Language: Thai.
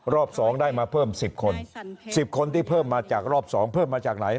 รอบ๒ได้มาเพิ่ม๑๐คน๑๐คนที่เพิ่มมาจากรอบ๒เพิ่มมาจากไหน